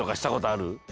ある！